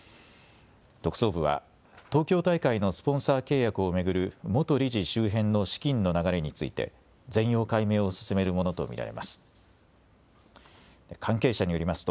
特捜部は東京大会のスポンサー契約を巡る元理事周辺の資金の流れについて全容解明を進めるものと見られます。